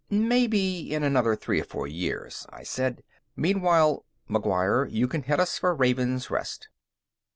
"Maybe in another three or four years," I said. "Meanwhile, McGuire, you can head us for Raven's Rest."